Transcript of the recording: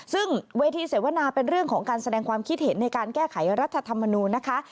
ซึ่งเวทีเสวนาเป็นเรื่องของการแสดงความคิดเห็นในการแก้ไขรัฐธรรมนูญนะคะ